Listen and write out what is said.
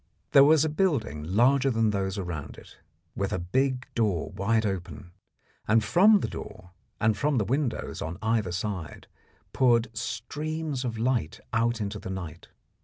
There was a building larger than those around it, with a big door wide open, and from the door and from the windows on either side poured streams of light out into the night.